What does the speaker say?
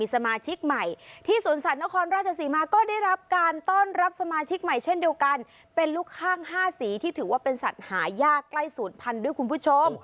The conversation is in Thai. สมาชิกใหม่ที่สวนสัตว์นครราชศรีมาก็ได้รับการต้อนรับสมาชิกใหม่เช่นเดียวกันเป็นลูกข้าง๕สีที่ถือว่าเป็นสัตว์หายากใกล้ศูนย์พันธุ์ด้วยคุณผู้ชม